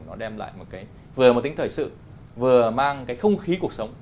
nó đem lại một cái vừa là một tính thời sự vừa mang cái không khí cuộc sống